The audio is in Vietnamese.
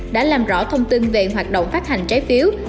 đã làm rõ thông tin về hoạt động phát hành trái phiếu